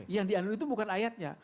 yang dianulir itu bukan ayatnya